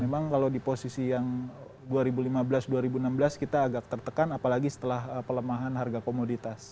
memang kalau di posisi yang dua ribu lima belas dua ribu enam belas kita agak tertekan apalagi setelah pelemahan harga komoditas